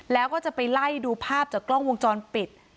แล้วก็จะไปไล่ดูภาพจากกล้องวงจรปิด